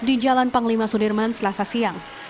di jalan panglima sudirman selasa siang